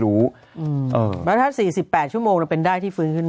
รู้อืมเออแล้วถ้าสี่สิบแปดชั่วโมงมันเป็นได้ที่ฟื้นขึ้น